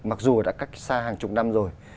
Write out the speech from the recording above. mặc dù đã cách xa hàng chục năm rồi